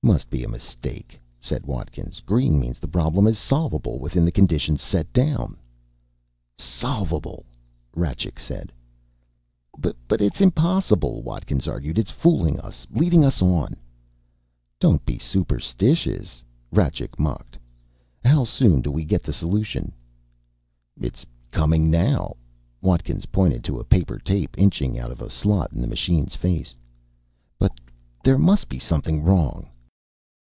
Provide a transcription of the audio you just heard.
"Must be a mistake," said Watkins. "Green means the problem is solvable within the conditions set down." "Solvable!" Rajcik said. "But it's impossible," Watkins argued. "It's fooling us, leading us on " "Don't be superstitious," Rajcik mocked. "How soon do we get the solution?" "It's coming now." Watkins pointed to a paper tape inching out of a slot in the machine's face. "But there must be something wrong!"